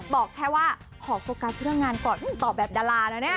บอกแค่ว่าขอโฟกัสเรื่องงานก่อนตอบแบบดาราแล้วเนี่ย